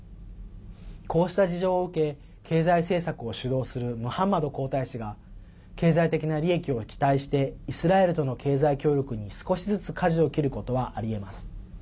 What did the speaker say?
こうした事情を受け、経済政策を主導するムハンマド皇太子が経済的な利益を期待してイスラエルとの経済協力に少しずつ、かじを切ることはありえます。